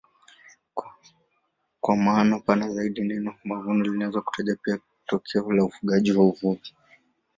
Kwa maana pana zaidi neno mavuno linaweza kutaja pia tokeo la ufugaji au uvuvi.